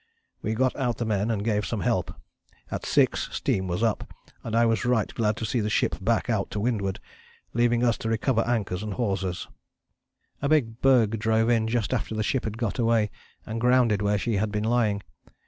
"We got out the men and gave some help. At 6 steam was up, and I was right glad to see the ship back out to windward, leaving us to recover anchors and hawsers." A big berg drove in just after the ship had got away, and grounded where she had been lying.